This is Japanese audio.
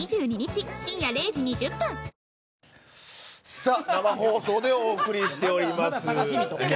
さあ、生放送でお送りしています。